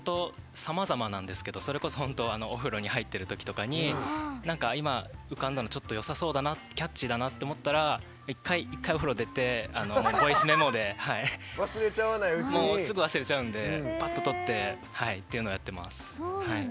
さまざまなんですけどお風呂とか入ってるときとかに今、浮かんだのちょっとよさそうだなキャッチーだなと思ったら一回お風呂出てボイスメモですぐ忘れちゃうんでばっととってっていうのをやってます。